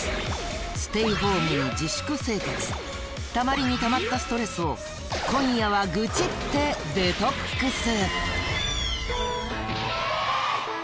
ステイホームに自粛生活たまりにたまったストレスを今夜は愚痴ってデトックス！